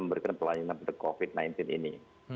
memberikan pelayanan pada covid sembilan belas ini